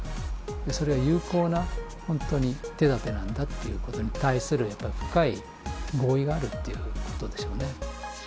それは有効な、本当に手だてなんだってことに対する深い合意があるっていうことでしょうね。